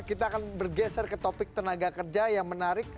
kita akan bergeser ke topik tenaga kerja yang menarik